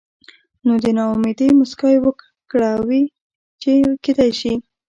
نو د نا امېدۍ مسکا يې وکړه وې چې کېدے شي